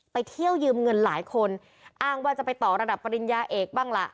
ไปเที่ยวยืมเงินหลายคนอ้างว่าจะไปต่อระดับปริญญาเอกบ้างล่ะ